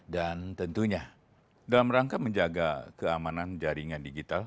dan tentunya dalam rangka menjaga keamanan jaringan digital